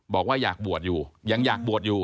บอกว่าอยากบวชอยู่ยังอยากบวชอยู่